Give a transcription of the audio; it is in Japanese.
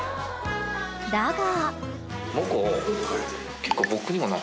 ［だが］